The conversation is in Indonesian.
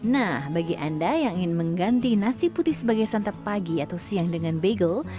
nah bagi anda yang ingin mengganti nasi putih sebagai santap pagi atau siang dengan bagel